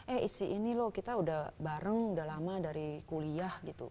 eh isi ini loh kita udah bareng udah lama dari kuliah gitu